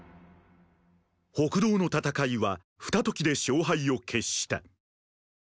北道の戦いは二刻で勝敗を決した。